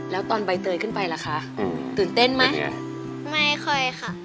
แล้วตอนใบเตยขึ้นไปล่ะคะตื่นเต้นไหมไม่ค่อยค่ะ